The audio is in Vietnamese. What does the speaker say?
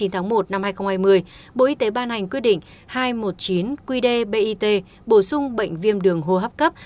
tháng một năm hai nghìn hai mươi bộ y tế ban hành quyết định hai trăm một mươi chín qd bit bổ sung bệnh viêm đường hô hấp cấp